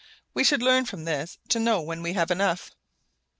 We should learn from this to know when we have enough.